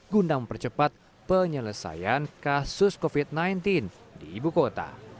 guna mempercepat penyelesaian kasus covid sembilan belas di ibu kota